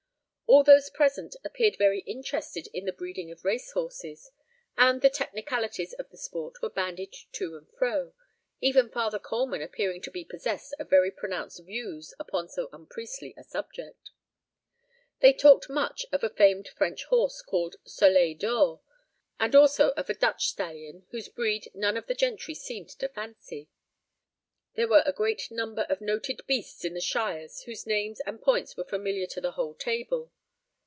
All of those present appeared very interested in the breeding of race horses, and the technicalities of the sport were bandied to and fro, even Father Coleman appearing to be possessed of very pronounced views upon so unpriestly a subject. They talked much of a famed French horse named "Soleil d'Or," and also of a Dutch stallion whose breed none of the gentry seemed to fancy. There were a great number of noted beasts in the shires whose names and points were familiar to the whole table.